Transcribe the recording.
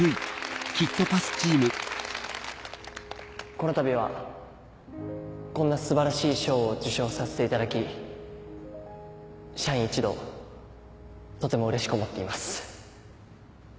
このたびはこんな素晴らしい賞を受賞させていただき社員一同とてもうれしく思っています。